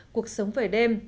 cuộc sống về đêm